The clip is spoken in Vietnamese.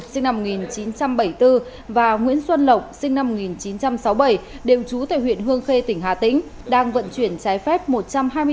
sinh năm một nghìn chín trăm bảy mươi bốn và nguyễn xuân lộc sinh năm một nghìn chín trăm sáu mươi bảy đều trú tại huyện hương khê tỉnh hà tĩnh đang vận chuyển trái phép một trăm hai mươi bốn